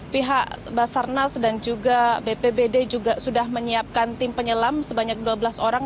pihak basarnas dan juga bpbd juga sudah menyiapkan tim penyelam sebanyak dua belas orang